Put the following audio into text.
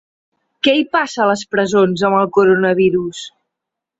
Què hi passa, a les presons, amb el coronavirus?